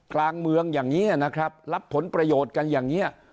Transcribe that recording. กลางเมืองอย่างนี้นะครับรับผลประโยชน์กันอย่างนี้